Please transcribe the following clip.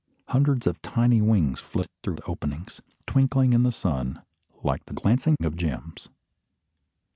Hundreds of tiny wings flit through the openings, twinkling in the sun like the glancing of gems.